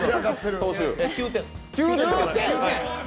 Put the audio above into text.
９点。